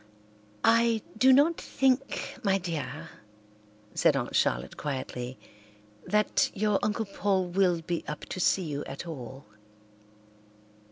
"I do not think, my dear," said Aunt Charlotte quietly, "that your Uncle Paul will be up to see you at all."